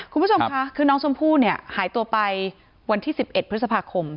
คุณผู้ชมค่ะคือน้องชมพู่เนี่ยหายตัวไปวันที่๑๑พฤษภาคม